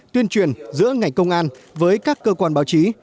tuyên truyền giữa ngành công an với các cơ quan báo chí